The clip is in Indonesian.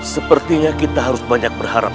sepertinya kita harus banyak berharap